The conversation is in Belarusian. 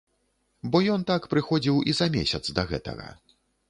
Бо ён так прыходзіў і за месяц да гэтага.